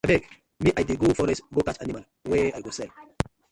Abeg mi I dey go forest go catch animal wey I go sell.